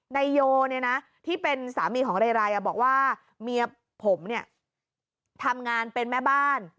นายโยเนี่ยนะที่เป็นสามีของเรไรบอกว่าเมียผมเนี่ยทำงานเป็นแม่บ้าน